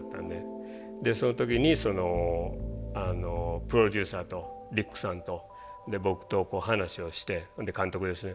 その時にプロデューサーとリックさんと僕と話をしてそれで監督ですね。